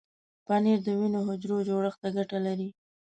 پنېر د وینې حجرو جوړښت ته ګټه لري.